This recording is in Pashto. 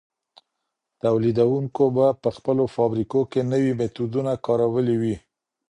تولیدونکو به په خپلو فابریکو کي نوي میتودونه کارولي وي.